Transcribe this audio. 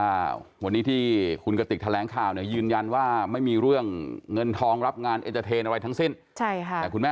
อันนี้ใครเป็นคนพูดครับว่ามีการจ้างไหม